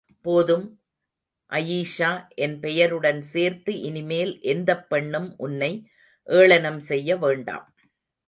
போதும், அயீஷா என் பெயருடன் சேர்த்து, இனிமேல் எந்தப் பெண்ணும் உன்னை ஏளனம் செய்ய வேண்டாம்.